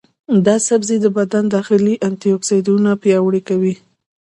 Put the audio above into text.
دا سبزی د بدن داخلي انټياکسیدانونه پیاوړي کوي.